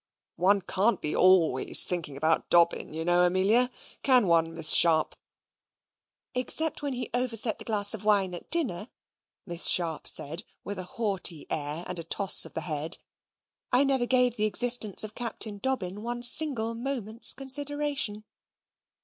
"One can't be ALWAYS thinking about Dobbin, you know, Amelia. Can one, Miss Sharp?" "Except when he overset the glass of wine at dinner," Miss Sharp said, with a haughty air and a toss of the head, "I never gave the existence of Captain Dobbin one single moment's consideration."